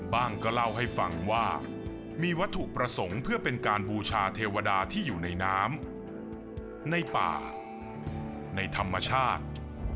บ้างก็เล่าให้ฟังว่ามีวัตถุประสงค์เพื่อเป็นการบูชาเทวดาที่อยู่ในน้ำในป่าในธรรมชาติ